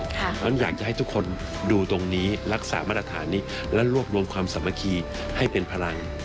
เพราะฉะนั้นอยากจะให้ทุกคนดูตรงนี้รักษามาตรฐานนี้และรวบรวมความสามัคคีให้เป็นพลัง